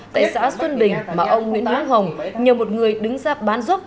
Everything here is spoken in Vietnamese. tại xã xuân đình mà ông nguyễn hữu hồng nhờ một người đứng ra bán giúp